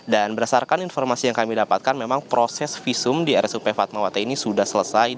dan berdasarkan informasi yang kami dapatkan memang proses visum di rsup fatmawate ini sudah selesai